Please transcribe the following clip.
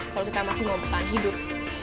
kalau kita masih mau bertahan hidup